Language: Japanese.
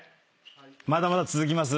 まだまだ続きます。